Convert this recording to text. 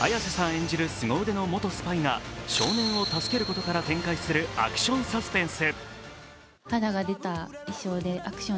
演じるすご腕の元スパイが少年を助けることから展開するアクションサスペンス。